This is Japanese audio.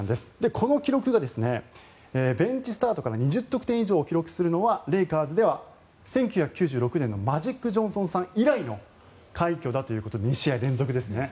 この記録が、ベンチスタートから２０得点以上記録するのはレイカーズでは１９９６年のマジック・ジョンソンさん以来の快挙だということで２試合連続ですね。